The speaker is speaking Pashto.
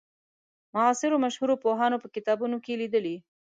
معاصرو مشهورو پوهانو په کتابونو کې لیدلې.